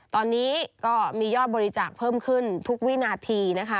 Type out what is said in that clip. ตอนนี้ก็มียอดบริจาคเพิ่มขึ้นทุกวินาทีนะคะ